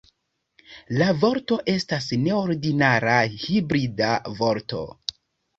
La vorto estas neordinara hibrida vorto.